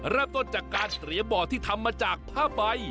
เริ่มต้นจากการเสียบ่อที่ทำมาจากผ้าใบ